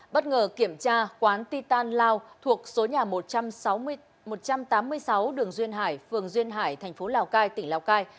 bất ngờ kiểm tra quán titan lao thuộc số nhà một trăm sáu mươi sáu đường duyên hải phường duyên hải thành phố lào cai tỉnh lào cai